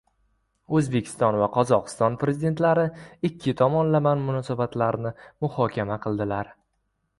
O‘zbekiston va Qozog‘iston Prezidentlari ikki tomonlama munosabatlarni muhokama qildilar